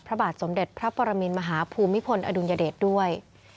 พระบาทสมเด็จพระปรมินมหาภูมิพลอดุลยเดชด้วย